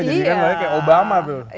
jadi yang lain kayak obama tuh